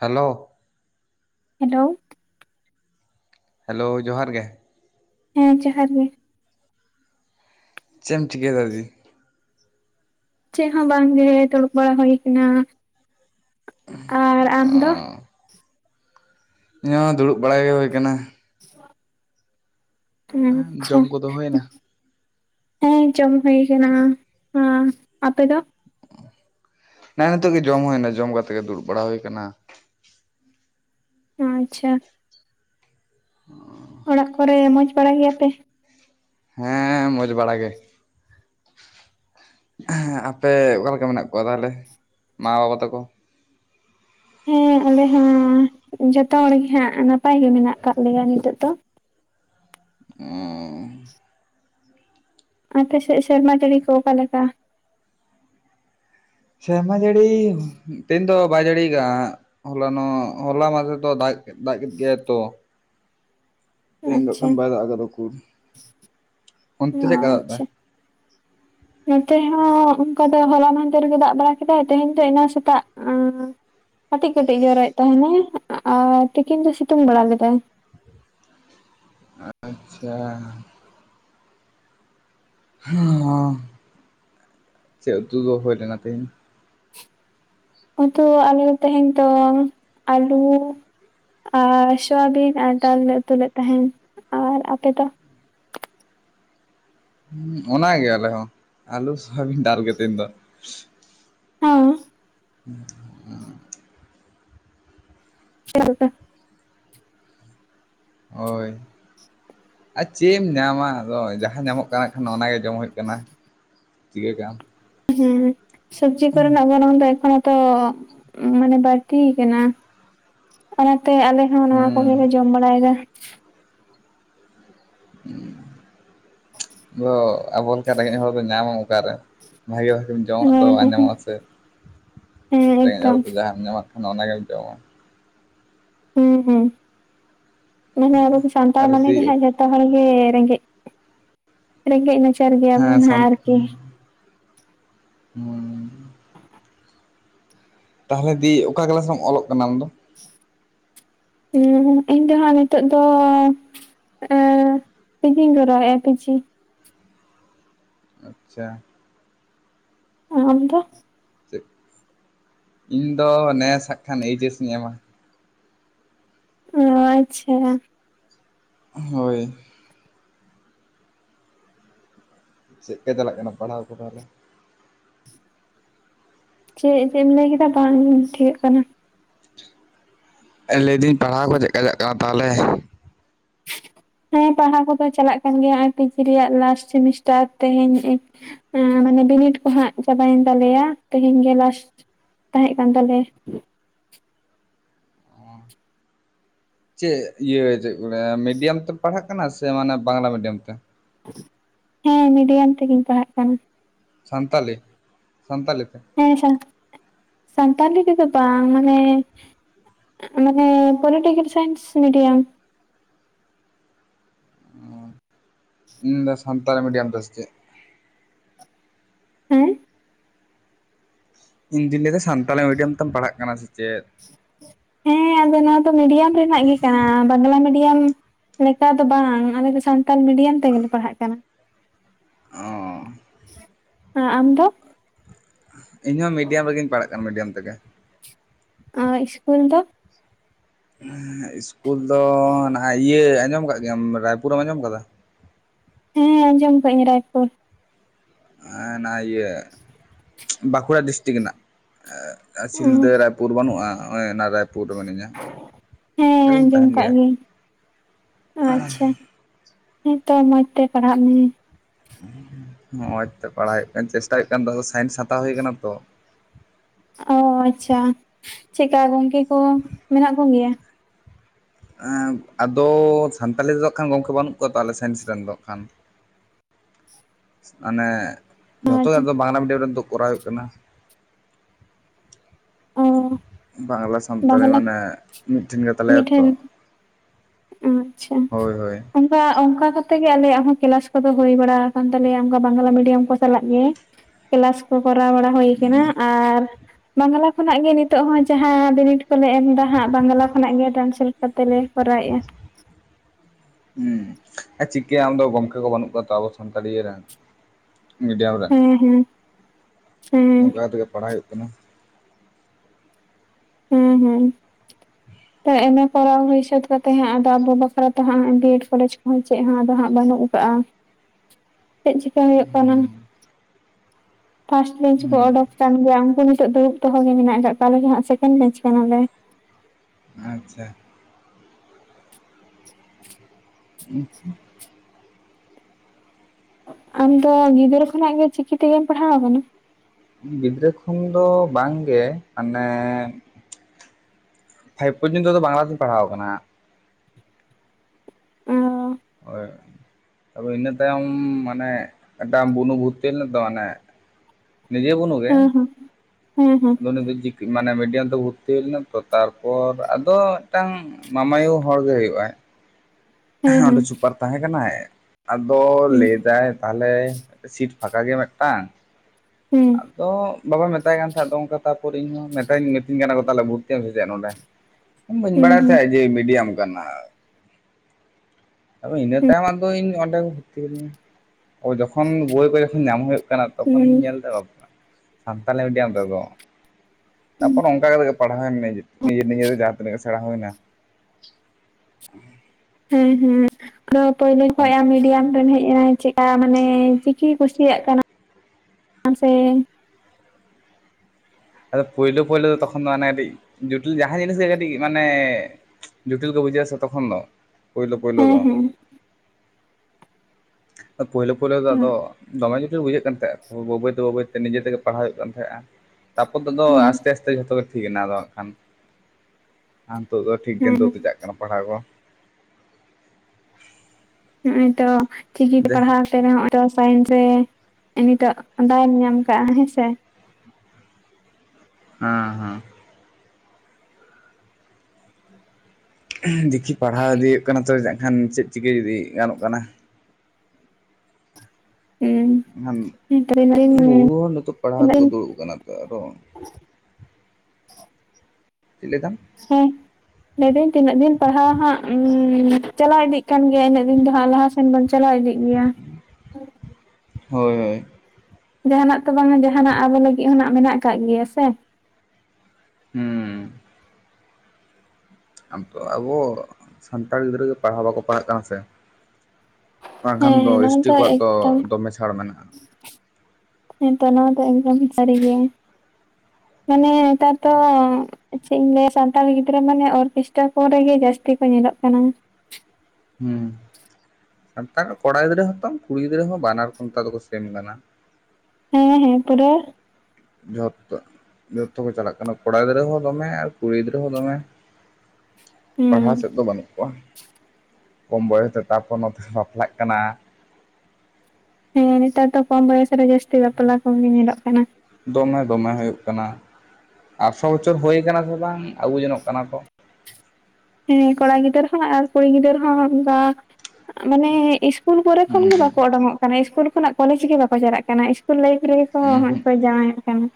Hello. Hello. Hello ᱡᱚᱦᱟᱨ ᱜᱮ᱾ ᱦᱮᱸ ᱡᱚᱦᱟᱨ ᱜᱮ᱾ ᱪᱮᱫ ᱮᱢ ᱪᱤᱠᱟᱹᱭ ᱫᱟ ᱫᱤ? ᱪᱮᱫ ᱦᱚᱸ ᱵᱟᱝ ᱜᱮ ᱫᱩᱲᱩᱵ ᱵᱟᱲᱟ ᱦᱩᱭ ᱟᱠᱟᱱᱟ ᱟᱨ ᱟᱢ ᱫᱚ? ᱤᱧ ᱦᱚᱸ ᱫᱩᱲᱩᱵ ᱵᱟᱲᱟᱭ ᱦᱩᱭ ᱟᱠᱟᱱᱟ᱾ ᱡᱚᱢ ᱠᱚᱫᱚ ᱦᱩᱭᱱᱟ [unintelligible] ᱦᱮᱸ ᱡᱚᱢ ᱦᱳᱭ ᱟᱠᱟᱱᱟ ᱟᱯᱮ ᱫᱚ? ᱦᱮᱸ ᱱᱤᱛᱳᱜ ᱜᱮ ᱡᱚᱢ ᱦᱩᱭᱱᱟ ᱡᱚᱢ ᱠᱟᱛᱮ ᱜᱮ ᱫᱩᱲᱩᱵ ᱵᱟᱲᱟ ᱦᱩᱭ ᱠᱟᱱᱟ᱾ ᱟᱪᱪᱷᱟ᱾ ᱚᱲᱟᱜ ᱠᱚᱨᱮ ᱢᱚᱸᱡᱽ ᱵᱟᱲᱟ ᱜᱮᱭᱟ ᱯᱮ? ᱦᱮᱸ ᱢᱚᱸᱡᱽ ᱵᱟᱲᱟ ᱜᱮ᱾ ᱟᱯᱮ ᱚᱠᱟ ᱞᱮᱠᱟ ᱢᱮᱱᱟᱜ ᱠᱚᱣᱟ ᱛᱟᱦᱚᱞᱮ ᱢᱟ ᱵᱟᱵᱟ ᱛᱟᱠᱚ? ᱦᱮᱸ ᱟᱞᱮ ᱦᱚᱸ ᱡᱚᱛᱚ ᱦᱚᱲ ᱜᱮ ᱦᱟᱸᱜ ᱱᱟᱯᱟᱭ ᱜᱮ ᱢᱮᱱᱟᱜ ᱟᱠᱟᱫ ᱞᱮᱭᱟ ᱱᱤᱛᱚᱜ ᱫᱚ᱾ ᱚᱸᱻ᱾ ᱟᱯᱮ ᱥᱮᱫ ᱥᱟᱨᱢᱟ ᱡᱟᱸᱲᱤ ᱠᱚ ᱚᱠᱟ ᱞᱮᱠᱟ? ᱥᱮᱨᱢᱟ ᱡᱟᱹᱲᱤ ᱛᱮᱦᱤᱧ ᱫᱚ ᱵᱟᱭ ᱡᱟᱹᱲᱤ ᱟᱠᱟ ᱦᱚᱞᱟᱱᱚᱜ ᱦᱚᱞᱟ ᱢᱟᱫᱮᱨ ᱫᱚ ᱫᱟᱜ ᱫᱟᱜ ᱠᱮᱫ ᱜᱮᱭᱟᱭ ᱛᱚ᱾ ᱛᱮᱦᱮᱧ ᱫᱚ ᱟᱪᱪᱷᱟ ᱟᱠᱷᱟᱱ ᱵᱟᱭ ᱫᱟᱜ ᱟᱠᱟᱫᱟ ᱩᱠᱩᱨ ᱚᱱᱛᱮ ᱚ ᱪᱮᱫ ᱠᱟᱭ ᱫᱟᱜ ᱫᱟᱭ? ᱟᱪᱪᱷᱟ ᱱᱚᱛᱮ ᱦᱚᱸ ᱚᱱᱠᱟ ᱫᱚ ᱦᱚᱞᱟ ᱢᱟᱸᱫᱮᱨ ᱨᱮᱜᱮ ᱫᱟᱜ ᱵᱟᱲᱟ ᱠᱮᱫᱟᱭ ᱛᱮᱦᱮᱧ ᱫᱚ ᱤᱱᱟᱹ ᱥᱮᱛᱟᱜ ᱠᱟᱹᱴᱤᱡ ᱠᱟᱹᱴᱤᱡ ᱡᱚᱨᱟᱭᱮᱫ ᱛᱟᱦᱮ ᱮᱱᱟᱭ ᱟᱨ ᱛᱤᱠᱤᱱ ᱫᱚ ᱥᱤᱛᱩᱝ ᱵᱟᱲᱟ ᱠᱮᱫᱟᱭ᱾ ᱟᱪᱪᱷᱟ᱾ ᱦᱚᱸᱻ ᱪᱮᱫ ᱩᱛᱩ ᱫᱚ ᱦᱩᱭ ᱞᱮᱱᱟ ᱛᱮᱦᱤᱧ? ᱱᱚᱛᱮ ᱟᱞᱮ ᱛᱮᱦᱮᱧ ᱫᱚ ᱟᱞᱩ- ᱟᱨ ᱥᱚᱣᱟᱵᱤᱱ ᱟᱨ ᱰᱟᱞ ᱞᱮ ᱩᱛᱩ ᱞᱮᱫ ᱛᱟᱦᱮᱸᱱ᱾ ᱟᱨ ᱟᱯᱮ ᱫᱚ? ᱦᱩᱸ ᱚᱱᱟ ᱜᱮ ᱟᱞᱮ ᱦᱚᱸ ᱟᱹᱞᱩ ᱥᱚᱣᱟᱵᱤᱱ ᱰᱟᱞ ᱜᱮ ᱛᱮᱦᱤᱧ ᱫᱚ᱾ [unintelligible] [unintelligible] [unintelligible] ᱦᱳᱭ᱾ ᱟᱨ ᱪᱮᱫ ᱮᱢ ᱧᱟᱢᱟ ᱟᱫᱚ ᱡᱟᱦᱟᱸ ᱧᱟᱢᱚᱜ ᱠᱟᱱᱟ ᱠᱷᱟᱱ ᱚᱱᱟᱜᱮ ᱡᱚᱢ ᱦᱩᱭᱩᱜ ᱠᱟᱱᱟ᱾ ᱪᱤᱠᱟ. ᱠᱟᱜᱼᱟᱢ᱾ ᱦᱮᱸ ᱥᱚᱵᱽᱡᱤ ᱠᱚᱨᱮᱱᱟᱜ ᱜᱚᱱᱚᱝ ᱫᱚ ᱮᱠᱷᱚᱱᱳᱛᱚ ᱢᱟᱱᱮ ᱵᱟᱹᱲᱛᱤ ᱠᱟᱱᱟ᱾ ᱚᱱᱟᱛᱮ ᱟᱞᱮ ᱦᱚᱸ ᱱᱚᱣᱟ ᱦᱩᱸ ᱠᱚᱜᱮᱞᱮ ᱡᱚᱢ ᱵᱟᱲᱟᱭᱮᱫᱟ᱾ ᱦᱩᱸ ᱟᱫᱚ ᱟᱵᱚ ᱞᱮᱠᱟᱱ ᱨᱮᱸᱜᱮᱡ ᱦᱚᱲ ᱵᱚ ᱧᱟᱢᱟᱢ ᱚᱠᱟᱨᱮ ᱵᱷᱟᱜᱮ ᱵᱷᱟᱜᱮᱢ ᱡᱚᱢᱟᱜ ᱫᱚ ᱦᱮᱸ ᱵᱟᱝ ᱦᱮᱸ ᱧᱟᱢᱚᱜᱼᱟ ᱥᱮ ᱦᱮᱸ ᱨᱮᱸᱜᱮᱡ ᱦᱚᱲ ᱮᱠᱫᱚᱢ ᱠᱚ ᱡᱟᱦᱟᱢ ᱧᱟᱢᱟ [unintelligible] ᱦᱩᱸ ᱦᱩᱸ [unintelligible] ᱛᱟᱦᱚᱞᱮ ᱢᱟᱱᱮ ᱫᱤ ᱜᱮ ᱦᱟᱸᱜ ᱛᱟᱦᱞᱮ ᱨᱮᱸᱜᱮᱡ ᱨᱮᱸᱜᱮᱡ ᱱᱟᱪᱟᱨ ᱜᱮᱭᱟᱵᱚᱱ ᱦᱮᱸ ᱜᱮᱭᱟᱵᱚᱱ ᱥᱟᱱ ᱟᱨᱠᱤ? ᱦᱩᱸ᱾ ᱛᱟᱦᱚᱞᱮ ᱫᱤ ᱚᱠᱟ ᱠᱮᱞᱟᱥ ᱨᱮᱢ ᱚᱞᱚᱜ ᱠᱟᱱᱟ ᱟᱢᱫᱚ? ᱦᱩᱸ ᱤᱧ ᱫᱚ ᱦᱟᱸᱜ ᱱᱤᱛᱚᱜ ᱫᱚ ᱮᱸᱻ ᱯᱤᱡᱤᱧ ᱠᱚᱨᱟᱣᱮᱫᱼᱟ ᱯᱤᱡᱤ ᱟᱪᱪᱷᱟ ᱟᱨ ᱟᱢ ᱫᱚ? ᱪᱮᱫ, ᱤᱧ ᱫᱚ ᱱᱮᱥ ᱦᱟᱜ ᱠᱷᱟ ᱮᱡᱮᱥ ᱤᱧ ᱮᱢᱟ ᱚᱻ ᱟᱪᱪᱷᱟ.. ᱦᱳᱭ ᱪᱮᱫ ᱛᱮ ᱪᱟᱞᱟᱜ ᱠᱟᱱᱟ ᱯᱟᱲᱦᱟᱣ ᱠᱚ‌ ᱛᱟᱦᱞᱮ ᱪᱮᱫ ᱪᱮᱫ ᱮᱢ ᱞᱟᱹᱭ ᱠᱮᱫᱟ ᱵᱟᱝ ᱴᱷᱤᱠᱟᱹᱜ ᱠᱟᱱᱟ ᱞᱟᱹᱭᱫᱤᱧ ᱯᱟᱲᱦᱟᱣ ᱠᱚ ᱪᱮᱫ ᱞᱮᱠᱟ ᱪᱟᱞᱟᱜ ᱠᱟᱱᱟ ᱠᱟ ᱛᱟᱦᱚᱞᱮ? ᱦᱮᱸ ᱯᱟᱲᱦᱟᱣ ᱠᱚ ᱫᱚ ᱪᱟᱞᱟᱜ ᱠᱟᱱ ᱜᱮᱭᱟ ᱯᱤᱡᱤ ᱨᱮᱭᱟᱜ ᱞᱟᱥᱴ ᱥᱮᱢᱤᱥᱴᱟᱨ ᱛᱮᱦᱮᱧ ᱤᱧ...... ᱮᱸ... ᱢᱟᱱᱮ ᱵᱤᱱᱤᱰ ᱠᱚ ᱦᱟᱸᱜ ᱪᱟᱵᱟᱭᱮᱱ ᱛᱟᱞᱮᱭᱟ ᱛᱮᱦᱮᱧ ᱜᱮ ᱞᱟᱥᱴ ᱛᱟᱸᱦᱮᱜ ᱠᱟᱱ ᱛᱟᱞᱮᱭᱟ ᱪᱮᱫ ᱤᱭᱟᱹ ᱪᱮᱫ ᱠᱚ ᱞᱮᱭᱟ ᱢᱤᱰᱤᱭᱟ. ᱢ ᱛᱮᱢ ᱯᱟᱲᱦᱟᱜ ᱠᱟᱱᱟ ᱥᱮ ᱢᱟᱱᱮ ᱵᱟᱝᱞᱟ ᱢᱤᱰᱤᱭᱟ. ᱢ ᱛᱮ? [unintelligible] ᱦᱮᱸ ᱢᱤᱰᱤᱭᱟ. ᱢ ᱛᱮᱜᱤᱧ ᱯᱟᱲᱦᱟᱜ ᱠᱟᱱᱟ ᱥᱟᱱᱛᱟᱞᱤ ᱥᱟᱱᱛᱟᱞᱤ ᱛᱮ? ᱦᱮᱸ ᱥᱟᱱᱛ [unintelligible] ᱥᱟᱱᱛᱟᱞᱤ ᱛᱮᱫᱚ ᱵᱟᱝ ᱢᱟᱱᱮ ᱢᱟᱱᱮ ᱯᱚᱞᱤᱴᱤᱠᱟᱞ ᱥᱟᱭᱮᱱᱥ ᱢᱤᱰᱤᱭᱟ. ᱢ ᱤᱧ ᱫᱚᱧ ᱥᱟᱱᱛᱟᱲᱤ ᱢᱤᱰᱤᱭᱟᱢ ᱛᱮ ᱥᱮ ᱪᱮᱫ ᱦᱮᱸ ᱤᱧ ᱫᱩᱧ ᱞᱟᱹᱭ ᱮᱫᱟ ᱥᱟᱱᱛᱟᱞᱤ ᱢᱤᱰᱤᱭᱟᱢ ᱛᱮᱢ ᱯᱟᱲᱦᱟᱜ ᱠᱟᱱᱟ ᱥᱮ ᱪᱮᱫ ᱦᱮᱸ ᱟᱫᱚ ᱱᱚᱣᱟ ᱫᱚ ᱢᱤᱰᱤᱭᱟᱢ ᱨᱮᱱᱟᱜ ᱜᱮ ᱠᱟᱱᱟ ᱵᱟᱝᱞᱟ ᱢᱤᱰᱤᱭᱟᱢ ᱞᱮᱠᱟ ᱫᱚ ᱵᱟᱝ ᱟᱞᱮ‌ ᱫᱚ ᱥᱟᱱᱛᱟᱲᱤ ᱢᱤᱰᱤᱭᱟᱢ ᱛᱮᱜᱮ ᱞᱮ ᱯᱟᱲᱦᱟᱜ ᱠᱟᱱᱟ ᱚ [unintelligible] ᱚ ᱟᱢ ᱫᱚ? ᱤᱧᱦᱚᱸ ᱢᱤᱰᱤᱭᱟᱢ ᱨᱮᱜᱮᱧ ᱯᱟᱲᱟᱜ ᱠᱟᱱᱟ ᱢᱤᱰᱤᱭᱟᱢ ᱛᱮᱜᱮ ᱟᱨ ᱤᱥᱠᱩᱞ ᱫᱚ? [unintelligible] ᱤᱥᱠᱩᱞ ᱫᱚ ᱱᱟᱦᱟᱜ ᱤᱭᱟᱹ ᱟᱸᱡᱚᱢ ᱟᱠᱟᱫ ᱜᱮᱭᱟᱢ ᱨᱟᱭᱯᱩᱨ ᱮᱢ ᱟᱸᱡᱚᱢ ᱟᱠᱟᱫᱟ? ᱦᱮᱸ ᱟᱸᱡᱚᱢ ᱟᱠᱟᱜ ᱟᱧ ᱨᱟᱭᱯᱩᱨ ᱟ... ᱱᱟ ᱤᱭᱟᱹ ᱵᱟᱸᱠᱩᱲᱟ ᱰᱤᱥᱴᱤᱠ ᱨᱮᱱᱟᱜ ᱚ ᱥᱤᱞᱫᱟᱹ ᱨᱟᱭ ᱼᱼ ᱯᱩᱨ ᱵᱟᱹᱱᱩᱜᱼᱟ ᱱᱚᱜ-ᱚᱭ ᱨᱟᱭ ᱼᱼ [unintelligible] ᱦᱮᱸ ᱟᱸᱡᱚᱢ ᱛᱟᱦᱮᱱ ᱟᱠᱟᱜ ᱜᱮᱭᱟ ᱜᱤᱭᱟᱹᱧ, ᱟᱪᱪᱷᱟ.. ᱦᱮᱸ ᱛᱚ ᱢᱚᱸᱡᱽ ᱛᱮ ᱯᱟᱲᱦᱟᱜ ᱢᱮ ᱦᱚᱸ-ᱚᱭ ᱛᱚ ᱯᱟᱲᱦᱟᱣ ᱦᱩᱭᱩᱜ ᱠᱟᱱᱟ ᱪᱮᱥᱴᱟᱭ ᱦᱩᱭᱩᱜ ᱠᱟᱱ ᱛᱚ ᱥᱟᱭᱮᱱᱥ ᱦᱟᱛᱟᱣ ᱦᱩᱭ ᱟᱠᱟᱱᱟ ᱛᱚ ᱚ ᱟᱪᱪᱷᱟ ᱪᱮᱫ ᱞᱮᱠᱟ ᱜᱚᱝᱠᱮ ᱠᱚ ᱢᱮᱱᱟᱜ ᱠᱚ ᱜᱮᱭᱟ? ᱟᱺ... ᱟᱫᱚ ᱥᱟᱱᱛᱟᱲᱤ ᱛᱮ ᱫᱚᱦᱚᱜ ᱠᱷᱟᱱ ᱜᱚᱢᱠᱮ ᱵᱟᱹᱱᱩᱜ ᱠᱚᱣᱟ ᱛᱚ ᱟᱞᱮ ᱥᱟᱭᱮᱱᱥ ᱨᱮᱱ ᱫᱚ ᱠᱷᱟᱱ ᱢᱟᱱᱮ ᱡᱷᱚᱛᱚ ᱟᱪᱪᱷᱟ ᱫᱚ ᱵᱟᱝᱞᱟ ᱢᱤᱰᱤᱭᱟᱢ ᱨᱮᱫᱚ ᱠᱚᱨᱟᱣ ᱦᱩᱭᱩᱜ ᱠᱟᱱᱟ ᱚ ᱵᱟᱝᱞᱟ ᱥᱟᱱᱛᱟᱲᱤ ᱵᱟᱝᱞᱟ ᱢᱟᱱᱮ ᱢᱤᱫᱴᱷᱮᱱ ᱜᱮ ᱛᱟᱞᱮᱭᱟ ᱛᱚ ᱢᱤᱫᱴᱷᱮᱱ ᱟᱪᱪᱷᱟ ᱦᱳᱭ ᱦᱳᱭ ᱚᱝᱠᱟ ᱚᱝᱠᱟ ᱠᱟᱛᱮ ᱜᱮ ᱟᱞᱮᱭᱟᱜ ᱦᱚᱸ ᱠᱮᱞᱟᱥ ᱠᱚᱫᱚ ᱦᱩᱭ ᱵᱟᱲᱟ ᱟᱠᱟᱱ ᱛᱟᱞᱮᱭᱟ ᱚᱝᱠᱟ ᱵᱟᱝᱞᱟ ᱢᱤᱰᱤᱭᱟ. ᱢ ᱠᱚ ᱥᱟᱞᱟᱜ ᱜᱮ ᱠᱮᱞᱟᱥ ᱠᱚ ᱠᱚᱨᱟᱣ ᱵᱟᱲᱟ ᱦᱩᱭ ᱠᱟᱱᱟ ᱟᱨ ᱵᱟᱝᱞᱟ ᱠᱷᱚᱱᱟᱜ ᱜᱮ ᱱᱤᱛᱚᱜ ᱦᱚᱸ ᱡᱟᱦᱟᱸ ᱵᱤᱱᱤᱰ ᱠᱚᱞᱮ ᱮᱢ ᱮᱫᱟ ᱦᱟᱸᱜ ᱵᱟᱝᱞᱟ ᱠᱷᱚᱱᱟᱜ ᱜᱮ ᱴᱨᱟᱱᱥᱞᱮᱴ ᱠᱟᱛᱮ ᱞᱮ ᱠᱚᱨᱟᱣᱮᱫᱼᱟ ᱦᱩᱸ ᱪᱤᱠᱟᱹᱭᱟᱢ ᱫᱚ ᱜᱚᱝᱠᱮ ᱠᱚ ᱵᱟᱹᱱᱩᱜ ᱠᱟᱣᱟ ᱛᱟᱵᱚᱱ ᱥᱟᱱᱛᱟᱲᱤ ᱨᱮᱱ ᱢᱤᱰᱤᱭᱟᱢ ᱨᱮᱱ ᱮ ᱦᱮᱸ ᱦᱮᱸ ᱱᱚᱝᱠᱟ ᱛᱮᱜᱮ ᱯᱟᱲᱦᱟᱜ ᱦᱩᱭᱩᱜ ᱠᱟᱱᱟ ᱦᱮᱸ ᱦᱮᱸ [inaudible] ᱮᱢ ᱮ ᱠᱳᱨᱟᱣ ᱦᱩᱭ ᱥᱟᱹᱛ ᱠᱟᱛᱮ ᱦᱟᱸᱜ ᱟᱫᱚ ᱟᱵᱚ ᱵᱟᱠᱷᱨᱟ ᱛᱮ ᱦᱟᱸᱜ ᱵᱤ ᱮᱰ ᱠᱚᱞᱮᱡᱽ ᱠᱚᱦᱚᱸ ᱪᱮᱫ ᱦᱚᱸᱟᱫᱚ ᱦᱟᱸᱜ ᱵᱟᱹᱱᱩᱜ ᱟᱠᱟᱜᱼᱟ [unintelligible] ᱪᱮᱫ ᱪᱤᱠᱟ. ᱦᱩᱭᱩᱜ ᱠᱟᱱᱟ? ᱯᱷᱟᱥᱴ ᱵᱮᱧᱪ ᱠᱚ ᱦᱩᱸ ᱚᱰᱳᱠ ᱟᱠᱟᱱ ᱜᱮᱭᱟ ᱩᱱᱠᱩ ᱱᱤᱛᱚᱜ ᱫᱩᱲᱩᱵ ᱫᱚᱦᱚ ᱜᱮ ᱢᱮᱱᱟᱜ ᱟᱠᱟᱫ ᱠᱚᱣᱟ ᱟᱞᱮ ᱫᱚ ᱦᱟᱜ ᱥᱮᱠᱮᱱᱰ ᱵᱮᱧᱪ ᱠᱟᱱᱟᱞᱮ ᱟᱪᱪᱷᱟ [unintelligible] ᱟᱢ ᱫᱚ ᱜᱤᱫᱽᱨᱟᱹ ᱠᱷᱚᱱᱟᱜ ᱜᱮ ᱪᱤᱠᱤ ᱛᱮᱜᱮᱢ ᱯᱟᱲᱦᱟᱣ ᱟᱠᱟᱱᱟ ᱜᱤᱫᱽᱨᱟᱹ ᱠᱷᱚᱱ ᱫᱚ ᱵᱟᱝᱜᱮ ᱢᱟᱱᱮ ᱯᱷᱟᱭᱤᱵᱽ ᱯᱚᱨᱡᱚᱱᱛᱚ ᱫᱚ ᱵᱟᱝᱞᱟ ᱛᱤᱧ ᱯᱟᱲᱦᱟᱣ ᱟᱠᱟᱱᱟ ᱚ ᱦᱳᱭ ᱛ ᱤᱱᱟᱹ ᱛᱟᱭᱚᱢ ᱢᱟᱱᱮ ᱮᱴ ᱚᱱᱩᱵᱷᱚᱛᱛᱤ ᱞᱮᱱᱟ ᱛᱚ ᱦᱟᱱᱮ ᱱᱤᱡᱮ ᱵᱩᱱᱩᱜ ᱦᱩᱸ ᱦᱩᱸ ᱦᱮᱸ ᱦᱮᱸ ᱢᱟᱱᱮ ᱢᱤᱰᱤᱭᱟᱢ ᱛᱮ ᱵᱷᱩᱨᱛᱤ ᱦᱩᱭ ᱞᱮᱱᱟ ᱛᱚ ᱛᱟᱨᱯᱚᱨ ᱟᱫᱚ ᱢᱤᱫᱴᱟᱝ ᱢᱟᱢᱟᱭᱚ ᱦᱚᱲ ᱜᱮ ᱦᱩᱭᱩᱜ ᱟᱭ ᱮᱸ ᱚᱸᱰᱮ ᱦᱮᱸ ᱥᱩᱯᱟᱨ ᱛᱟᱦᱮᱸ ᱠᱟᱱᱟᱭ ᱟᱫᱚ ᱞᱟᱹᱭᱫᱟᱭ ᱛᱟᱦᱮᱞᱮ ᱥᱤᱴ ᱯᱷᱟᱠᱟ ᱜᱮ ᱢᱤᱫᱴᱟᱝ ᱦᱩᱸ ᱟᱫᱚ ᱵᱟᱵᱟᱭ ᱢᱮᱛᱟᱭ ᱠᱟᱱ ᱛᱟᱦᱮᱸᱫ ᱫᱚ ᱠᱟ ᱛᱟᱨᱯᱚᱨ ᱤᱧ ᱢᱮᱛᱟᱧ ᱢᱤᱛᱟᱹᱧ ᱠᱟᱱᱟ ᱠᱚ ᱛᱟᱦᱚᱞᱮ ᱵᱷᱩᱨᱛᱤ ᱟᱢ ᱥᱮ ᱪᱮᱫ ᱱᱚᱸᱰᱮ ᱵᱟᱹᱧ ᱦᱮᱸ ᱦᱮᱸ ᱦᱮᱸ ᱵᱟᱲᱟᱭ ᱛᱟᱦᱮᱸᱜ ᱡᱮ ᱢᱤᱰᱤᱭᱟᱢ ᱠᱟᱱᱟ ᱟᱫᱚ ᱤᱱᱟᱹ ᱛᱟᱭᱚᱢ ᱟᱫᱚ ᱤᱧ ᱚᱸᱰᱮ [unintelligible] ᱡᱚᱠᱷᱚᱱ ᱵᱳᱭ ᱠᱚ ᱡᱚᱠᱷᱚᱱ ᱧᱟᱢ ᱦᱩᱭᱩᱜ ᱠᱟᱱᱟ ᱛᱚᱠᱷᱚᱱ ᱦᱮᱸ ᱧᱮᱞ ᱮᱫᱟ ᱵᱟᱵ ᱥᱟᱱᱛᱟᱞᱤ ᱢᱤᱰᱤᱭᱟᱢ ᱫᱚ ᱜᱚ ᱦᱮᱸ ᱛᱟᱯᱚᱨᱮ ᱚᱱᱠᱟ ᱠᱟᱛᱮᱜ ᱜᱮ ᱯᱟᱲᱦᱟᱣᱮᱱᱟ ᱱᱤᱡᱮ ᱱᱤᱡᱮᱛᱮ ᱡᱟᱦᱟᱸ ᱛᱤᱱᱟᱹᱜ ᱜᱮ ᱥᱮᱬᱟ ᱦᱩᱭᱱᱟ ᱦᱩᱸ ᱦᱩᱸ ᱠᱚᱢ [unintelligible] ᱢᱤᱰᱤᱭᱟᱢ ᱨᱮᱢ ᱦᱮᱡ ᱮᱱᱟᱭ ᱪᱮᱫ ᱢᱟᱱᱮ ᱪᱤᱠᱤ ᱠᱩᱥᱤᱭᱟᱜ ᱠᱟᱱᱟ ᱥᱮ ᱟᱫᱚ ᱯᱩᱭᱞᱩ ᱯᱩᱭᱞᱩ ᱫᱚ ᱛᱚᱠᱷᱚᱱ ᱫᱚ ᱢᱟᱱᱮ ᱠᱟᱹᱴᱤᱡ ᱡᱚᱴᱤᱞ ᱡᱟᱦᱟᱸ ᱡᱤᱱᱤᱥ ᱜᱮ ᱠᱟᱹᱴᱤᱡ ᱢᱟᱱᱮ ᱡᱚᱴᱤᱞ ᱜᱮ ᱵᱩᱡᱤ ᱟᱥᱮ ᱛᱚᱠᱷᱚᱱ ᱫᱚ ᱯᱩᱭᱞᱩ ᱯᱩᱭᱞᱩ ᱦᱮᱸ ᱫᱚ ᱦᱮᱸ ᱯᱩᱭᱞᱩ ᱯᱩᱭᱞᱩ ᱫᱚ ᱦᱮᱸ ᱟᱫᱚ ᱫᱚᱢᱮ ᱡᱚᱴᱤᱞ ᱵᱩᱡᱷᱟᱹᱜ ᱠᱟᱱ ᱛᱟᱦᱮᱸᱜᱼᱟ ᱵᱟᱹᱵᱟᱹᱭ ᱛᱮ ᱵᱟᱹᱵᱟᱹᱭ ᱛᱮ ᱱᱤᱡᱮ ᱛᱮᱜᱮ ᱯᱟᱲᱦᱟᱣ ᱦᱩᱭᱩᱜ ᱠᱟᱱ ᱛᱟᱦᱮᱸᱜᱼᱟ ᱛᱟᱯᱚᱨ ᱫᱚ ᱦᱮᱸ ᱟᱥᱛᱮ ᱟᱥᱛᱮ ᱱ ᱡᱷᱚᱛᱚ ᱜᱮ ᱴᱷᱤᱠ ᱮᱱᱟ ᱟᱫᱚ ᱦᱟᱜ ᱠᱷᱟᱱ ᱟᱨ ᱱᱤᱛᱚᱜ ᱫᱚ ᱴᱷᱤᱠ ᱜᱮ ᱱᱤᱛᱚᱜ ᱦᱮᱸ ᱛᱮ ᱪᱟᱜ ᱠᱟᱱᱟ ᱯᱟᱲᱦᱟᱣ ᱠᱚ ᱱᱚᱜ ᱚᱭ ᱛᱚ ᱪᱤᱠᱤ ᱛᱮ ᱡᱮ ᱯᱟᱲᱦᱟᱣ ᱮᱛᱮ ᱨᱮᱦᱚᱸ ᱟᱫᱚ ᱥᱟᱭᱤᱱᱥ ᱥᱮ ᱱᱤᱛᱚᱜ ᱫᱟᱣᱮᱢ ᱧᱟᱢ ᱠᱟᱜᱼᱟ ᱦᱮᱸᱥᱮ ᱦᱚᱸ ᱦᱚᱸ ᱫᱮᱠᱷᱤ ᱯᱟᱲᱦᱟᱣ ᱤᱫᱤ ᱦᱩᱭᱩᱜ ᱠᱟᱱᱟ ᱛᱚᱟᱜᱠᱷᱟᱱ ᱪᱮᱫ ᱪᱤᱠᱟᱹ ᱩᱤᱫᱤ ᱜᱟᱱᱚᱜ ᱠᱟᱱᱟ ᱦᱮᱸ ᱮᱠᱷᱟᱱ ᱛᱤᱱᱟᱹᱜ ᱫᱤᱱ ᱵᱩᱦᱩ ᱦᱚᱸ ᱱᱤᱛᱚᱜ ᱯᱟᱲᱦᱟᱣ ᱛᱤᱱᱟᱹᱜ ᱛᱮᱠᱚ ᱫᱤᱱ ᱫᱩᱲᱩᱵ ᱟᱠᱟᱱᱟ ᱛᱚ ᱟᱫᱚ ᱤᱱᱟ ᱠᱷᱟᱱ ᱦᱩᱸ ᱞᱟᱹᱭ ᱫᱟᱹᱧ ᱛᱤᱱᱟᱹᱜ ᱫᱤᱱ ᱯᱟᱲᱦᱟᱣ ᱦᱟᱸᱜ ᱪᱟᱞᱟᱣ ᱤᱫᱤᱜ ᱠᱟᱱ ᱜᱮᱭᱟ ᱤᱱᱟᱹᱜ ᱫᱤᱱ ᱫᱚ ᱦᱟᱸᱜ ᱞᱟᱦᱟ ᱥᱮᱫ ᱥᱮᱱ ᱵᱚᱱ ᱪᱟᱞᱟᱣ ᱤᱫᱤᱜ ᱜᱮᱭᱟ ᱦᱳᱭ ᱦᱳᱭ ᱡᱟᱦᱟᱱᱟᱜ ᱛᱚ ᱵᱟᱝᱟ ᱡᱟᱦᱟᱱᱟᱜ ᱟᱵᱚ ᱞᱟᱹᱜᱤᱫ ᱦᱚᱸ ᱱᱟᱜ ᱢᱮᱱᱟᱜ ᱠᱟᱜ ᱜᱮᱭᱟ ᱥᱮ ᱦᱩᱸ ᱟᱫᱚ ᱟᱵᱚ ᱥᱟᱱᱛᱟᱲ ᱜᱤᱫᱽᱨᱟᱹ ᱜᱮ ᱯᱟᱲᱦᱟᱣ ᱵᱟᱠᱚ ᱯᱟᱲᱦᱟᱜ ᱠᱟᱱᱟ ᱥᱮ ᱵᱟᱝᱠᱷᱟᱱ ᱦᱮᱸ ᱫᱚ ᱮᱥ ᱱᱚᱣᱟ ᱴᱤ ᱠᱚᱣᱟᱜ ᱫᱚ ᱮᱠᱫᱚᱢ ᱫᱚᱢᱮ ᱪᱷᱟᱲ ᱢᱮᱱᱟᱜᱼᱟ᱾ ᱦᱮᱸᱛᱚ ᱱᱚᱣᱟ ᱫᱚ ᱮᱠᱫᱚᱢ ᱥᱟᱨᱤ ᱜᱮ ᱢᱟᱱᱮ ᱱᱮᱛᱟᱨ ᱫᱚᱼᱼ ᱪᱮᱫ ᱤᱧ ᱞᱟᱹᱭᱟ ᱥᱟᱱᱛᱟᱲ ᱜᱤᱫᱽᱨᱟᱹ ᱢᱟᱱᱮ ᱚᱨᱠᱮᱥᱴᱟᱨ ᱠᱚ ᱨᱮᱜᱮ ᱡᱟᱥᱛᱤ ᱠᱚ ᱧᱮᱞᱚᱜ ᱠᱟᱱᱟ ᱦᱮᱸ ᱥᱟᱱᱛᱟᱲ ᱠᱚᱲᱟ ᱜᱤᱫᱽᱨᱟᱹ ᱦᱚᱸ ᱠᱩᱲᱤ ᱜᱤᱫᱽᱨᱟᱹ ᱦᱚᱸ ᱵᱟᱱᱟᱨ ᱠᱚ ᱱᱮᱛᱟᱨ ᱫᱚᱠᱚ ᱥᱮᱢ ᱟᱠᱟᱱᱟ ᱦᱮᱸ ᱦᱮᱸ ᱯᱩᱨᱟᱹ ᱡᱚᱛᱚ ᱡᱚᱛᱚ ᱠᱚ ᱪᱟᱞᱟᱜ ᱠᱟᱱᱟ ᱠᱚᱲᱟ ᱜᱤᱫᱽᱨᱟᱹ ᱦᱚᱸ ᱫᱚᱢᱮ ᱟᱨ ᱠᱩᱲᱤ ᱜᱤᱫᱽᱨᱟᱹ ᱦᱚᱸ ᱫᱚᱢᱮ ᱦᱩᱸ ᱯᱟᱲᱦᱟᱣ ᱥᱮᱫ ᱫᱚ ᱵᱟᱹᱱᱩᱜ ᱠᱚᱣᱟ ᱠᱚᱢ ᱵᱚᱭᱮᱥ ᱨᱮ ᱛᱟᱯᱚᱨ ᱱᱚᱛᱮ ᱠᱚ ᱵᱟᱯᱞᱟᱜ ᱠᱟᱱᱟ ᱦᱮᱸ ᱱᱮᱛᱟᱨ ᱫᱚ ᱠᱚᱢ ᱵᱚᱭᱮᱥ ᱨᱮ ᱡᱟᱥᱛᱤ ᱵᱟᱯᱞᱟ ᱠᱚᱜᱮ ᱧᱮᱞᱚᱜ ᱠᱟᱱᱟ᱾ ᱫᱚᱢᱮ ᱫᱚᱢᱮ ᱦᱩᱭᱩᱜ ᱠᱟᱱᱟ ᱟᱴᱨᱚ ᱵᱚᱪᱷᱚᱨ ᱦᱩᱭ ᱠᱟᱱᱟ ᱥᱮ ᱵᱟᱝ ᱟᱜᱩ ᱡᱚᱱᱚᱜ ᱠᱟᱱᱟ ᱠᱚ᱾ ᱦᱮᱸ ᱠᱚᱲᱟ ᱜᱤᱫᱟᱹᱨ ᱦᱚᱸ ᱟᱨ ᱠᱩᱲᱤ ᱜᱤᱫᱟᱹᱨ ᱦᱚᱸ ᱵᱟ ᱢᱟᱱᱮ ᱤᱥᱠᱩᱞᱼᱼ ᱤᱥᱠᱩᱞ ᱠᱚᱨᱮ ᱠᱷᱚᱱ ᱦᱩᱸ ᱜᱮ ᱵᱟᱠᱚ ᱚᱰᱚᱝᱚᱜ ᱠᱟᱱᱟ ᱤᱥᱠᱩᱞ ᱠᱷᱚᱱᱟᱜ ᱠᱚᱞᱮᱡᱽ ᱜᱮ ᱵᱟᱠᱚ ᱪᱟᱞᱟᱜ ᱠᱟᱱᱟ ᱤᱥᱠᱩᱞ ᱞᱟᱭᱤᱯᱷ ᱨᱮᱼᱼ ᱦᱚᱸ ᱦᱚᱡ ᱩᱸᱦᱩ [unintelligible] ᱠᱚ ᱡᱟᱶᱟᱭᱚᱜ ᱠᱟᱱᱟ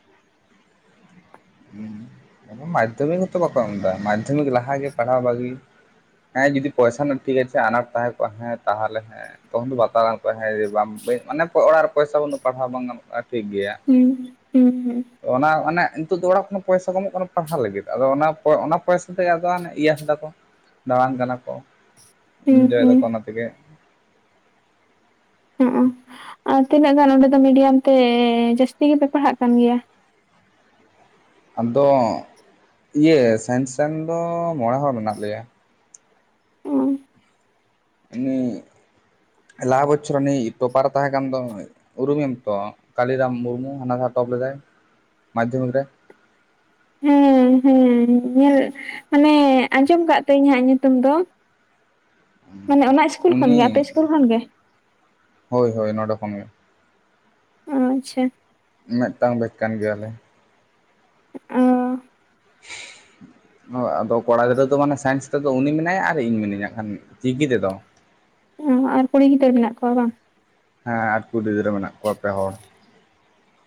ᱢᱟᱫᱽᱫᱷᱚᱢᱤᱠ ᱦᱚᱛᱚ ᱵᱟᱠᱚ ᱮᱢ ᱫᱟ ᱢᱟᱫᱽᱫᱷᱚᱢᱤᱠ ᱞᱟᱦᱟ ᱜᱮ ᱯᱟᱲᱦᱟᱣ ᱵᱟᱜᱤ ᱦᱮᱸ ᱡᱩᱫᱤ ᱯᱚᱭᱥᱟ ᱨᱮᱱᱟᱜ ᱴᱷᱤᱠ ᱟᱪᱷᱮ ᱟᱱᱟᱴ ᱛᱟᱦᱮᱸ ᱠᱚᱜ ᱦᱮᱸ ᱛᱟᱦᱚᱞᱮ ᱦᱮᱸ ᱛᱚᱠᱷᱚᱱ ᱫᱚ ᱵᱟᱛᱟᱣ ᱜᱟᱱᱼᱼ ᱚ [unintelligible] ᱵᱟᱝ ᱢᱟᱱᱮ ᱚᱲᱟᱜ ᱨᱮ ᱯᱚᱭᱥᱟ ᱵᱟᱱᱩᱜ ᱯᱟᱲᱦᱟᱣ ᱵᱟᱝ ᱜᱟᱱᱚᱜ-ᱟ᱾ ᱦᱩᱸ ᱦᱩᱸ ᱦᱩᱸ ᱚᱱᱟ ᱚᱱᱮ ᱱᱤᱛᱚᱜ ᱫᱚ ᱚᱲᱟᱜ ᱠᱷᱚᱱ ᱯᱚᱭᱥᱟ ᱠᱚ ᱮᱢᱚᱜ ᱠᱟᱱᱟ ᱯᱟᱲᱦᱟᱣ ᱞᱟᱹᱜᱤᱫ ᱟᱫᱚ ᱚᱱᱟ ᱚᱱᱟ ᱯᱚᱭᱥᱟ ᱛᱮ ᱟᱫᱚ ᱦᱟᱱ ᱤᱭᱟᱥ ᱫᱟ ᱠᱚ ᱫᱟᱬᱟᱱ ᱠᱟᱱᱟ ᱠᱚ ᱦᱩᱸ ᱦᱩᱸ ᱤᱱᱡᱚᱭ ᱦᱩᱸ ᱫᱟᱠᱚ ᱚᱱᱟ ᱛᱮᱜᱮ ᱦᱩ ᱩ ᱟᱨ ᱛᱤᱱᱟᱹᱜ ᱜᱟᱱ ᱚᱸᱰᱮ ᱫᱚ ᱢᱤᱰᱤᱭᱟᱢ ᱛᱮ ᱡᱟᱹᱥᱛᱤ ᱜᱮᱯᱮ ᱯᱟᱲᱦᱟᱜ ᱠᱟᱱ ᱜᱮᱭᱟ ᱟᱫᱚ ᱤᱭᱟᱹ ᱥᱮᱱ ᱥᱮᱱ ᱫᱚ ᱢᱚᱬᱮ ᱦᱚᱲ ᱢᱮᱱᱟᱜ ᱞᱮᱭᱟ᱾ ᱦᱩ ᱦᱩ ᱞᱟᱦᱟ ᱵᱚᱪᱷᱚᱨ ᱩᱱᱤ ᱯᱨᱚᱯᱟᱨ ᱮ ᱛᱟᱦᱮ ᱠᱟᱱ ᱫᱚ ᱩᱨᱩᱢᱮᱭᱟᱢ ᱛᱚ ᱠᱟᱞᱤᱨᱟᱢ ᱢᱩᱨᱢᱩ ᱦᱟᱱᱟ ᱴᱚᱯ ᱞᱮᱫᱟᱭ ᱢᱟᱫᱽᱫᱷᱚᱢᱤᱠ ᱨᱮ ᱦᱩ ᱦᱩ ᱧᱮᱞ ᱢᱟᱱᱮ ᱟᱡᱚᱢ ᱠᱟᱜ ᱛᱤᱭᱟᱹᱧ ᱦᱟᱸᱜ ᱧᱩᱛᱩᱢ ᱫᱚ᱾ ᱢᱟᱱᱮ ᱚᱱᱟ ᱤᱥᱠᱩᱞ ᱠᱷᱚᱱᱜᱮ ᱟᱯᱮ ᱩᱱᱤ ᱤᱥᱠᱩᱞ ᱠᱷᱚᱱᱜᱮ? ᱦᱳᱭ ᱦᱳᱭ ᱱᱚᱰᱮ ᱠᱷᱚᱱ ᱜᱮ᱾ ᱟᱪᱪᱷᱟ ᱢᱤᱫᱴᱟᱝ ᱵᱮᱪ ᱠᱟᱱ ᱜᱮᱭᱟᱞᱮ᱾ ᱚ ᱟᱫᱚ ᱠᱚᱲᱟ ᱜᱤᱫᱽᱨᱟᱹ ᱫᱚ ᱢᱟᱱᱮ ᱥᱟᱭᱮᱱᱥ ᱛᱮᱫᱚ ᱩᱱᱤ ᱢᱮᱱᱟᱭᱟ ᱟᱨ ᱤᱧ ᱢᱤᱱᱟᱹᱧᱟ ᱠᱷᱟᱱ ᱪᱤᱠᱤ ᱛᱮᱫᱚ᱾ ᱚ ᱟᱨ ᱠᱩᱲᱤ ᱜᱤᱫᱟᱹᱨ ᱢᱮᱱᱟᱜ ᱠᱚᱣᱟ ᱵᱟᱝ? ᱦᱮᱸ ᱟᱨ ᱠᱩᱬᱤ ᱜᱤᱫᱽᱨᱟᱹ ᱢᱮᱱᱟᱜ ᱠᱚᱣᱟ ᱯᱮ ᱦᱚᱲ᱾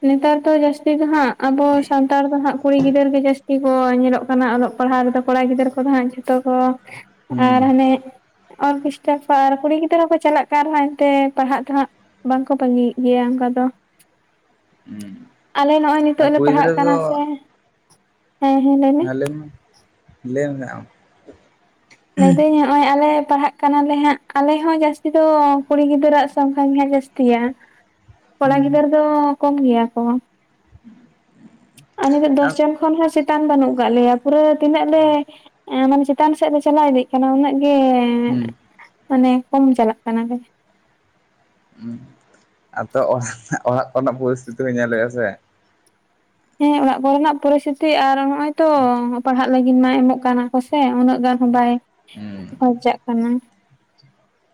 ᱱᱮᱛᱟᱨ ᱫᱚ ᱡᱟᱥᱛᱤ ᱫᱚ ᱦᱟᱸᱜ ᱟᱵᱚ ᱥᱟᱱᱛᱟᱲ ᱫᱚ ᱦᱟᱸᱜ ᱠᱩᱲᱤ ᱜᱤᱫᱟᱹᱨ ᱜᱮ ᱡᱟᱥᱛᱤᱼᱼ ᱜᱮ ᱠᱚ ᱧᱮᱞᱚᱜ ᱠᱟᱱᱟ ᱚᱞᱚᱜ ᱯᱟᱲᱦᱟᱜ ᱨᱮᱫᱚ ᱠᱚᱲᱟ ᱜᱤᱫᱟᱹᱨ ᱠᱚᱫᱚ ᱦᱟᱸᱜ ᱡᱷᱚᱛᱚ ᱠᱚᱼᱼ ᱟᱨ ᱦᱩᱸ ᱦᱟᱱᱮ ᱚᱨᱠᱮᱥᱴᱟᱨ ᱠᱚ ᱟᱨ ᱠᱩᱲᱤ ᱜᱤᱫᱽᱨᱟᱹ ᱦᱚᱸᱠᱚ ᱪᱟᱞᱟᱜ ᱠᱟᱱ ᱨᱮᱦᱚᱸ ᱮᱱᱛᱮ ᱯᱟᱲᱦᱟᱜ ᱫᱚᱦᱟᱸᱜᱼᱼ ᱵᱟᱝᱠᱚ ᱵᱟᱜᱤᱭᱮᱫ ᱜᱮᱭᱟ ᱚᱱᱠᱟ ᱫᱚ ᱦᱮᱸ ᱟᱞᱮ ᱱᱚᱜᱼᱚᱭ ᱱᱤᱛᱚᱜ ᱞᱮ ᱯᱟᱲᱦᱟᱜ ᱠᱟᱱᱟ ᱥᱮ ᱦᱮᱸ ᱦᱮᱸ ᱞᱮᱭ ᱵᱤᱱ ᱦᱮᱸ ᱞᱟᱹᱭ ᱢᱮ ᱞᱟᱹᱭ ᱢᱮ ᱟᱢ ᱞᱟᱹᱭ ᱫᱤᱧ ᱱᱚᱜᱼᱚᱭ ᱟᱞᱮ ᱯᱟᱲᱦᱟᱜ ᱠᱟᱱᱟᱞᱮ ᱦᱟᱸᱜ ᱟᱞᱮ ᱦᱚᱸ ᱡᱟᱹᱥᱛᱤ ᱫᱚ ᱠᱩᱲᱤ ᱜᱤᱫᱽᱨᱟᱹᱣᱟᱜ ᱥᱚᱝᱠᱷᱟ ᱜᱮᱦᱜ ᱡᱟᱹᱥᱛᱤᱭᱟ ᱠᱚᱲᱟ ᱦᱩᱸ ᱜᱤᱫᱟᱹᱨ ᱫᱚ ᱠᱚᱢ ᱜᱮᱭᱟ ᱠᱚ ᱟᱨ ᱱᱤᱛᱳ ᱫᱚᱥ ᱡᱚᱱ ᱠᱷᱚᱱ ᱦᱚᱸ ᱪᱮᱛᱟᱱ ᱵᱟᱹᱱᱩᱜ ᱠᱫ ᱞᱮᱭᱟ ᱯᱩᱨᱟᱹ ᱛᱤᱱᱟᱹᱜ ᱞᱮ ᱮ ᱢᱟᱱᱮ ᱪᱮᱛᱟᱱ ᱥᱮᱫ ᱞᱮ ᱪᱟᱞᱟᱣ ᱤᱫᱤᱜ ᱠᱟᱱᱟ ᱩᱱᱟᱹᱜ ᱜᱮ ᱦᱩᱸ ᱢᱟᱱᱮ ᱠᱚᱢ ᱪᱟᱞᱟᱜ ᱠᱟᱱᱟ ᱞᱮ ᱦ ᱟᱫᱚ ᱚᱲᱟᱜ ᱚᱲᱟᱜ ᱠᱚᱨᱮᱱᱟᱜ ᱯᱚᱨᱤᱥᱛᱷᱤᱛᱤ ᱦᱚᱸ ᱧᱮᱞᱮᱫᱼᱟ ᱥᱮ ᱦᱮᱸ ᱚᱲᱟᱜ ᱠᱚᱨᱮᱱᱟᱜ ᱯᱚᱨᱤᱥᱛᱷᱤᱛᱤ ᱟᱨ ᱱᱚᱜ ᱚᱭ ᱛᱚ ᱯᱟᱲᱦᱟᱜ ᱞᱟᱹᱜᱤᱫ ᱢᱟᱭ ᱮᱢᱚᱜ ᱠᱟᱱᱟ ᱠᱚᱥ ᱩᱱᱟᱹᱜ ᱜᱟᱱ ᱦᱚᱸ ᱵᱟᱭ ᱦᱩᱸ ᱠᱷᱚᱨᱪᱟᱜ ᱠᱟᱱᱟ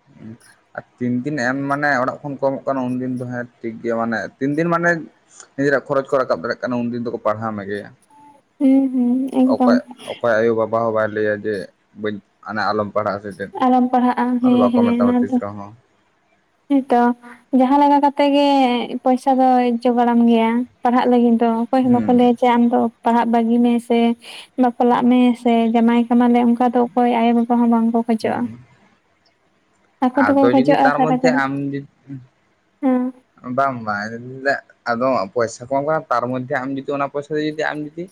[unintelligible] ᱛᱤᱱ ᱫᱤᱱ ᱮᱢ ᱢᱟᱱᱮ ᱚᱲᱟᱜ ᱠᱷᱚᱱ ᱠᱚᱢᱚᱜ ᱠᱟᱱᱟ ᱩᱱᱫᱤᱱ ᱫᱚ ᱦᱮᱸ ᱴᱷᱤᱠ ᱜᱮᱭᱟ ᱢᱟᱱᱮ ᱛᱤᱱ ᱫᱤᱱ ᱢᱟᱱᱮ ᱱᱤᱡᱮᱨᱟᱜ ᱠᱷᱚᱨᱚ ᱠᱚ ᱨᱟᱠᱟᱵ ᱫᱟᱲᱮᱭᱟᱜ ᱠᱟᱱᱟ ᱩᱱᱫᱤᱱ ᱫᱚᱠᱚ ᱯᱟᱲᱦᱟᱣ ᱢᱮᱜᱮᱭᱟ ᱦᱩᱸ ᱦᱩᱸ ᱮᱠᱫᱚᱢ ᱚᱠᱚᱭ ᱚᱠᱚᱭ ᱟᱭᱳᱼᱵᱟᱵᱟ ᱦᱚᱸ ᱵᱟᱭ ᱞᱟᱹᱭᱟ ᱡᱮ ᱵᱟᱹᱧ ᱢᱟᱱᱮ ᱟᱞᱚᱢ ᱯᱟᱲᱦᱟᱜᱼᱟ ᱥᱮ ᱪᱮᱫ ᱟᱞᱚᱢ ᱯᱟᱲᱦᱟᱜᱼᱟ ᱚᱱᱟᱫᱚ ᱦᱮᱸ ᱵᱟᱠᱚ ᱦᱮᱸ ᱢᱮᱛᱟᱢᱟ ᱚᱱᱟ ᱛᱤᱥ ᱨᱮᱦᱚᱸ ᱦᱮᱸᱛᱚ ᱡᱟᱦᱟᱸᱞᱮ ᱞᱮᱠᱟ ᱠᱟᱛᱮ ᱜᱮ ᱯᱚᱭᱥᱟ ᱫᱚᱭ ᱡᱚᱜᱟᱲᱟᱢ ᱜᱮᱭᱟ ᱯᱟᱲᱦᱟᱜ ᱞᱟᱜᱤᱫ ᱫᱚ ᱚᱠᱚᱭ ᱦᱚᱸ ᱵᱟᱠᱚ ᱦᱩᱸ ᱞᱟᱹᱭᱟ ᱡᱮ ᱟᱢ ᱫᱚ ᱯᱟᱲᱦᱟᱜ ᱵᱟᱹᱜᱤ ᱢᱮ ᱥᱮ ᱵᱟᱯᱞᱟᱜ ᱢᱮ ᱥᱮ ᱡᱟᱢᱟᱭ ᱠᱟᱢᱟ ᱞᱮ ᱚᱱᱠᱟᱼᱼ ᱚᱠᱟ ᱫᱚ ᱚᱠᱚᱭ ᱟᱭᱳᱼ ᱵᱟᱵᱟ ᱦᱚᱸ ᱵᱟᱝᱠᱚ ᱠᱷᱚᱡᱚᱜᱼᱟ ᱦᱩᱸ ᱟᱠᱚ ᱛᱮᱠᱚ ᱟᱫᱚ ᱡᱩᱫᱤ ᱠᱷᱚᱡᱚᱜᱼᱟ ᱛᱟᱨ ᱥᱟᱨᱟ ᱦᱮᱞᱳ ᱢᱚᱫᱽᱫᱷᱮ ᱦᱮᱸ ᱟᱢ ᱡᱩᱫᱤ ᱵᱟᱝ ᱵᱟᱝ ᱨᱤᱢᱤᱞ ᱫᱟᱜ ᱟᱫᱚ ᱯᱚᱭᱥᱟ ᱠᱚᱢ ᱠᱟᱱᱟ ᱛᱟᱨ ᱢᱚᱫᱽᱫᱷᱮ ᱡᱩᱫᱤ ᱚᱱᱟ ᱯᱚᱭᱥᱟ ᱡᱩᱫᱤ ᱟᱢ ᱡᱩᱫᱤ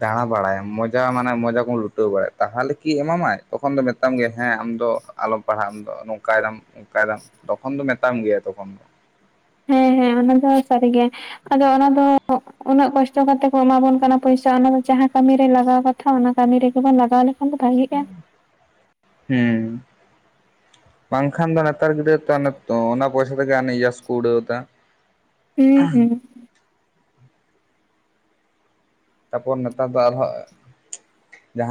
ᱫᱟᱬᱟ ᱵᱟᱲᱟᱭᱟᱢ ᱢᱚᱡᱟ ᱢᱟᱱᱮ ᱢᱚᱡᱟ ᱠᱚᱢ ᱞᱩᱴᱟᱹᱣ ᱵᱟᱲᱟᱭᱟ ᱛᱟᱦᱚᱞᱮ ᱠᱤ ᱮᱢᱟᱢᱟᱭ ᱛᱚᱠᱷᱚᱱ ᱫᱚ ᱢᱮᱛᱟᱢ ᱜᱮ ᱦᱮᱸ ᱟᱢᱫᱚ ᱟᱞᱚᱢ ᱯᱟᱲᱦᱟᱜ ᱟᱢ ᱫᱚ ᱱᱚᱝᱠᱟᱭ ᱫᱟᱢ ᱚᱝᱠᱟᱭ ᱫᱟᱢ ᱛᱚᱠᱷᱚᱱ ᱫᱚ ᱢᱮᱛᱟᱢ ᱜᱮᱭᱟ ᱛᱚᱠᱷᱚᱱ ᱫᱚ ᱦᱮᱸ ᱦᱮᱸ ᱚᱱᱟ ᱫᱚ ᱥᱟᱹᱨᱤ ᱜᱮ ᱟᱫᱚ ᱚᱱᱟ ᱫᱚ ᱩᱱᱟᱹᱜ ᱠᱚᱥᱴᱚ ᱠᱟᱛᱮᱫ ᱠᱚ ᱮᱢᱟ ᱵᱚᱱ ᱠᱟᱱᱟ ᱯᱚᱭᱥᱟ ᱚᱱᱟ ᱫᱚ ᱡᱟᱦᱟᱸ ᱠᱟᱹᱢᱤ ᱨᱮ ᱞᱟᱜᱟᱣ ᱠᱟᱛᱷᱟ ᱚᱱᱟ ᱠᱟᱹᱢᱤ ᱨᱮᱜᱮᱵᱚᱱ ᱞᱟᱜᱟᱣ ᱞᱮᱠᱷᱟᱱ ᱠᱷᱟᱱ ᱫᱚ ᱵᱷᱟᱹᱜᱤᱜᱼᱟ ᱦᱩᱸᱻ ᱵᱟᱝᱠᱷᱟᱱ ᱫᱚ ᱱᱮᱛᱟᱨ ᱜᱤᱫᱽᱨᱟᱹ ᱛᱚ ᱚᱱᱟ ᱯᱚᱭᱥᱟ ᱛᱮᱜᱮ ᱟᱹᱱᱮ ᱤᱭᱟᱹᱥ ᱠᱚ ᱩᱰᱟᱹᱣ ᱫᱟ ᱦᱩᱸ ᱦᱩᱸ ᱛᱟᱯᱚᱨ ᱱᱮᱛᱟᱨ ᱫᱚ ᱟᱨᱦᱚᱸ ᱡᱟᱦᱟᱸ